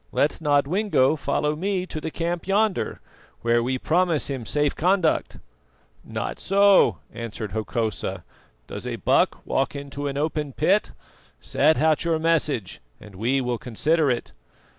Let Nodwengo follow me to the camp yonder, where we promise him safe conduct." "Not so," answered Hokosa. "'Does a buck walk into an open pit?' Set out your message, and we will consider it."